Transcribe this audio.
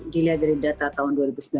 dilihat dari data tahun dua ribu sembilan belas